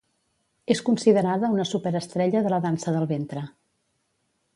És considerada una superestrella de la dansa del ventre.